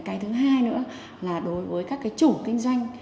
cái thứ hai nữa là đối với các cái chủ kinh doanh